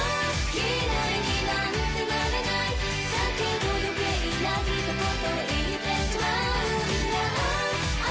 嫌いになんてなれないだけど余計な一言言ってしまうんだああ